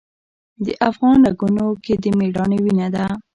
د افغان رګونو کې د میړانې وینه ده.